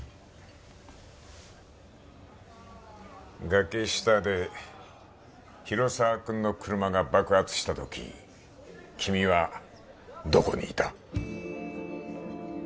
崖下で広沢君の車が爆発したとき君はどこにいた？